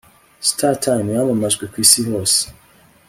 Star times yamamajwe kwisi hose